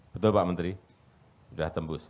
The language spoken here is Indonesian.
betul pak menteri sudah tembus